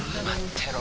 てろ